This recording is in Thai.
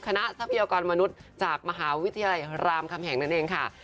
ทรัพยากรมนุษย์จากมหาวิทยาลัยรามคำแหงนั่นเองค่ะ